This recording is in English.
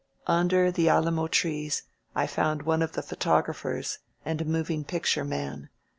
•.•" Under the alamo trees I found one of the photog raphers and a moving picture man.